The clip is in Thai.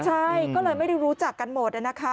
ใช่ก็เลยไม่รู้จักกันหมด